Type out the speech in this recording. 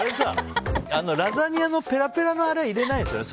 ラザニアのペラペラのあれは入れないんですよね。